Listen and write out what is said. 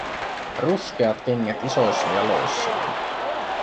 Ruskeat kengät isoissa jaloissaan.